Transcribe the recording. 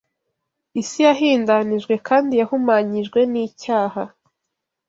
Isi yahindanijwe kandi yahumanyijwe n’icyaha